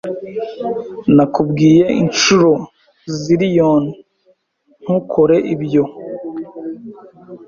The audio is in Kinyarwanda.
Nakubwiye inshuro ziliyoni ntukore ibyo.